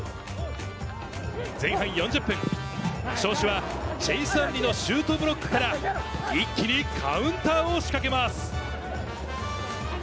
前半４０分、尚志はチェイス・アンリのシュートブロックから一気にカウンターを仕掛けます。